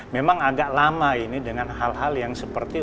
memang agak lama ini dengan hal hal yang seperti